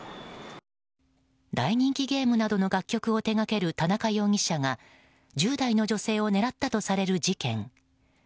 大人気ゲームなどの楽曲を手掛ける田中容疑者が１０代の女性を狙ったとされる事件。